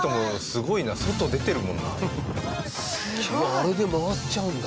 あれで回っちゃうんだ。